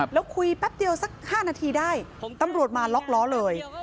แล้วคุยแป๊บเดียวสัก๕นาทีได้ตำรวจมาล็อกล้อเลย